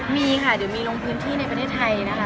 มีค่ะเดี๋ยวมีลงพื้นที่ในประเทศไทยนะคะ